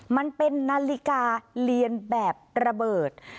มันเป็นนาฬิกาเรียนแบบระเบิด